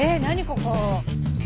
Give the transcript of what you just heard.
ここ！